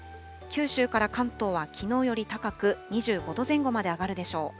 九州から関東はきのうより高く、２５度前後まで上がるでしょう。